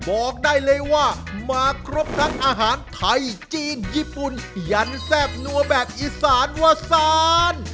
บอกได้เลยว่ามาครบทั้งอาหารไทยจีนญี่ปุ่นยันแซ่บนัวแบบอีสานวาซาน